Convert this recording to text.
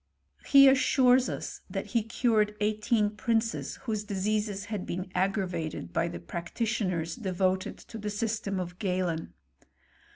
He assures us that he cured eighteen princes whose <liseases had been aggravated by the practitioners de voted to the system of Galen.